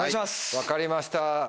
分かりました。